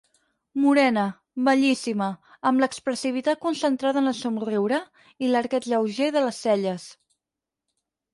Morena, bellíssima, amb l'expressivitat concentrada en el somriure i l'arqueig lleuger de les celles.